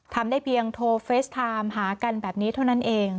ทำได้เพียงโทรเฟสไทม์หากันแบบนี้เท่านั้นเอง